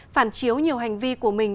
phản chiếu nhiều hành vi của mình